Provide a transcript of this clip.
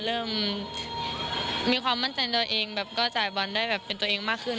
เริ่มมีความมั่นใจตัวเองแบบก็จ่ายบอลได้แบบเป็นตัวเองมากขึ้น